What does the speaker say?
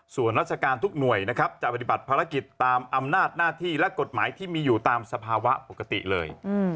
ส่วนราชการทุกหน่วยนะครับจะปฏิบัติภารกิจตามอำนาจหน้าที่และกฎหมายที่มีอยู่ตามสภาวะปกติเลย